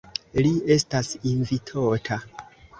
Li estas invitota.